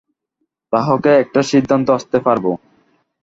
তাহকে একটা সিদ্ধান্তে আসতে পারবো।